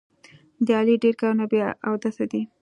د علي ډېر کارونه بې اودسه دي.